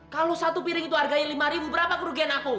kalau satu piring itu harganya lima berapa kerugian aku